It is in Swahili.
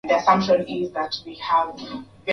ya umma na kwaUhusiano kati ya uchafuzi wa hewa na ustawi